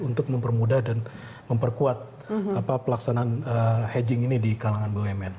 untuk mempermudah dan memperkuat pelaksanaan hedging ini di kalangan bumn